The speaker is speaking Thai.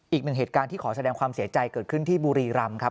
อีกหนึ่งเหตุการณ์ที่ขอแสดงความเสียใจเกิดขึ้นที่บุรีรำครับ